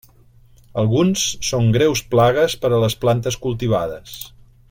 Alguns són greus plagues per a les plantes cultivades.